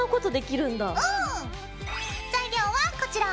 材料はこちら。